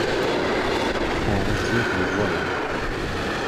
On retire le voile.